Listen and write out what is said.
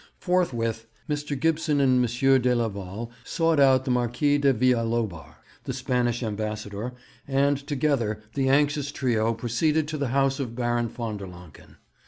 Forthwith Mr. Gibson and M. de Leval sought out the Marquis de Villalobar, the Spanish Ambassador, and together the anxious trio proceeded to the house of Baron von der Lancken.